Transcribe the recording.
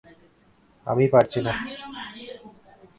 আমি পারছি না।